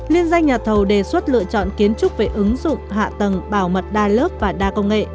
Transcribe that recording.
liên danh nhà thầu đề xuất lựa chọn kiến trúc về ứng dụng hạ tầng bảo mật đa lớp và đa công nghệ